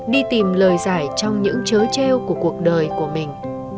đi tìm lời giải trong những chớ treo của cuộc đời của mình